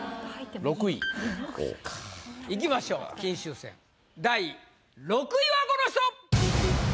いきましょう金秋戦第６位はこの人！